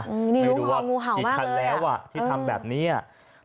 ไม่รู้ว่ากี่คันแล้วอ่ะที่ทำแบบนี้อ่ะ